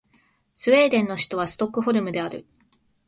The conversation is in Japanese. スウェーデンの首都はストックホルムである